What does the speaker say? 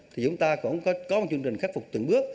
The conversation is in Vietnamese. thì chúng ta cũng có một chương trình khắc phục từng bước